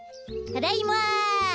ただいま！